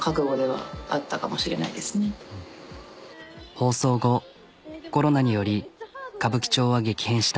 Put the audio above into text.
放送後コロナにより歌舞伎町は激変した。